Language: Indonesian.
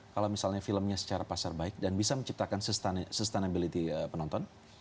kalau misalnya filmnya secara pasar baik dan bisa menciptakan sustainability penonton